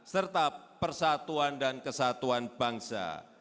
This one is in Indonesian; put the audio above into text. serta persatuan dan kesatuan bangsa